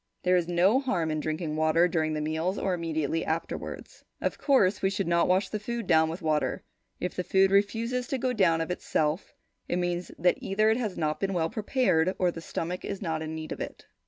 There is no harm in drinking water during the meals or immediately afterwards. Of course, we should not wash the food down with water. If the food refuses to go down of itself, it means that either it has not been well prepared or the stomach is not in need of it.